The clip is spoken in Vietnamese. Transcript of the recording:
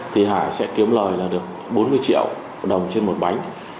thì hà sẽ kiếm lời là được bốn mươi triệu đồng trên một bánh